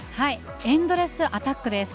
エンドレスアタックです。